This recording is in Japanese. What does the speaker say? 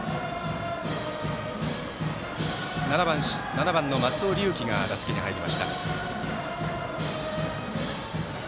７番の松尾龍樹が打席に入りました。